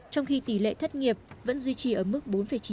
trong khi tỷ lệ thất nghiệp vẫn duy trì ở mức bốn chín